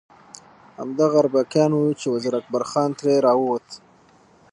همدغه اربکیان وو چې وزیر اکبر خان ترې راووت.